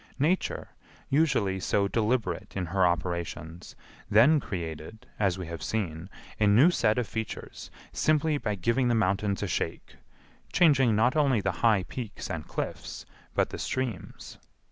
Nature, usually so deliberate in her operations, then created, as we have seen, a new set of features, simply by giving the mountains a shake—changing not only the high peaks and cliffs, but the streams.